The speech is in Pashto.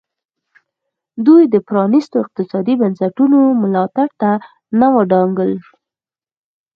دوی د پرانیستو اقتصادي بنسټونو ملاتړ ته نه ودانګل.